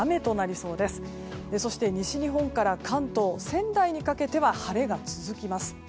そして西日本から関東仙台にかけては晴れが続きます。